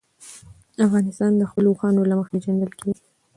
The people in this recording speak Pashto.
افغانستان د خپلو اوښانو له مخې پېژندل کېږي.